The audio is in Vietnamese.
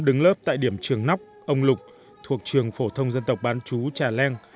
đứng lớp tại điểm trường nóc ông lục thuộc trường phổ thông dân tộc bán chú trà leng